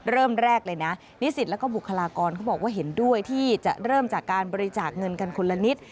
เริ่มแรกเลยนะนิสิตแล้วก็บุคลากรเขาบอกว่าเห็นด้วยที่จะเริ่มจากการบริจาคเงินกันคนละนิด